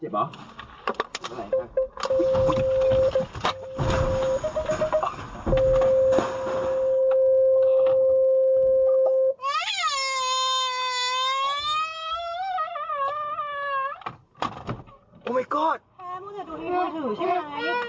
แพ้มูดแทนดูมือถือใช่ไหม